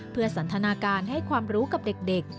เพื่อสันทนาการให้ความรู้กับเด็ก